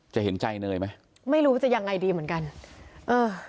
เห็นใจเนยไหมไม่รู้จะยังไงดีเหมือนกันเออ